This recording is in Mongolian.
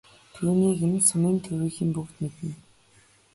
Түүнийг нь сумын төвийнхөн бүгд мэднэ.